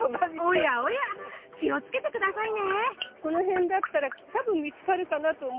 おやおや気をつけて下さいね。